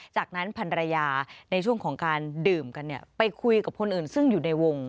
จากนั้นพันรยาในช่วงของการดื่มกันไปคุยกับคนอื่นซึ่งอยู่ในวง